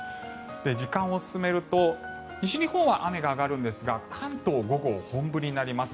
時間を進めると西日本は雨が上がるんですが関東、午後、本降りになります。